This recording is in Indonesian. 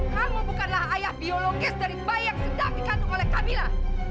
kamu bukanlah ayah biologis dari bayi yang sedang dikandung oleh kami lah